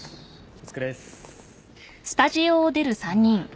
お疲れっす。